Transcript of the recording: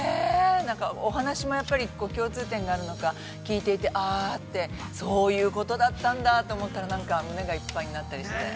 なんかお話もやっぱり共通点があるのか聞いていて、ああって、そういうことだったんだと思ったらなんか胸がいっぱいになったりして。